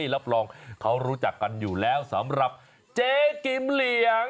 รับรองเขารู้จักกันอยู่แล้วสำหรับเจ๊กิมเหลียง